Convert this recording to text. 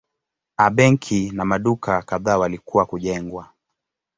A benki na maduka kadhaa walikuwa kujengwa.